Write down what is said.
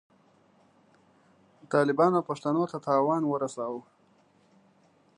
طالبانو پښتنو ته تاوان ورساوه.